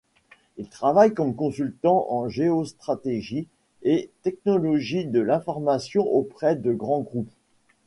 Il travaille comme consultant en géostratégie et technologies de l’information auprès de grands groupes.